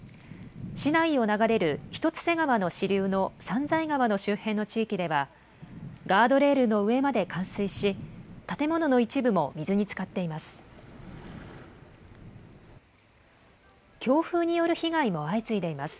市内を流れる一ツ瀬川の支流の三財川の周辺の地域では、ガードレールの上まで冠水し、建物の一部も水につかっています。